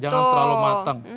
jangan terlalu matang